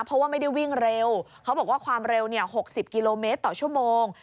เพราะว่าไม่ได้วิ่งเร็วเขาบอกว่าความเร็ว๖๐กิโลเมตรต่อชั่วโมง